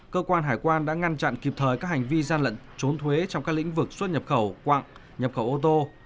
cơ quan hải quan đã ngăn chặn kịp thời các hành vi gian lận trốn thuế trong các lĩnh vực xuất nhập khẩu quạng nhập khẩu ô tô